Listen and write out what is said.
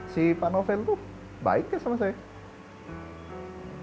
si pak novel itu baik gak sama saya